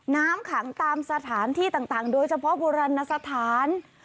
น้ำขังตามสถานที่ต่างโดยเฉพาะโบราณสถาน